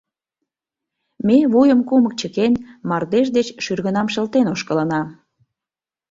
Ме, вуйым кумык чыкен, мардеж деч шӱргынам шылтен ошкылына.